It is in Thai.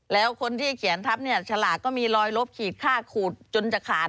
แล้วคนที่เขียนทับเนี่ยฉลากก็มีรอยลบขีดค่าขูดจนจะขาด